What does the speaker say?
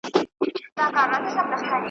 پردیو هڅه کوله